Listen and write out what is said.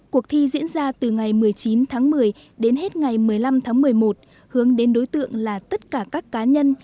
cuộc thi diễn ra từ ngày một mươi chín tháng một mươi đến hết ngày một mươi năm tháng một mươi một hướng đến đối tượng là tất cả các cá nhân